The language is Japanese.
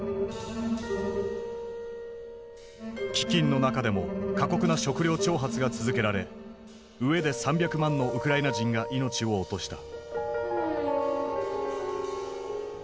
飢饉の中でも過酷な食糧徴発が続けられ飢えで３００万のウクライナ人が命を落とした。